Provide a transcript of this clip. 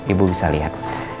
ibu bisa lihat